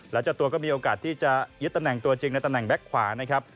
และเจ้าตัวก็มีโอกาสที่จะยึดตำแหน่งตัวจริงในตำแหนแก๊กขวานะครับ